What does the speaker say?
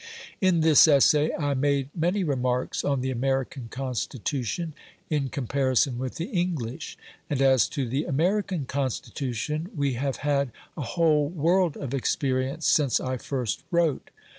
In this essay I made many remarks on the American Constitution, in comparison with the English; and as to the American Constitution we have had a whole world of experience since I first wrote.